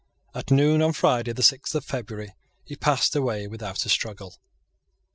At noon on Friday, the sixth of February, he passed away without a struggle.